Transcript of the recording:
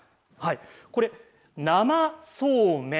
これ、生そうめん。